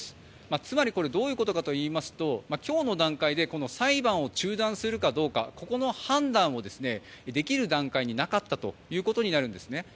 つまり、どういうことかというと今日の段階で、この裁判を中断するかどうかの判断をできる段階になかったということになるんです。